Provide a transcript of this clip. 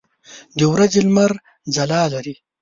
د ورځې لمر ځلا لري.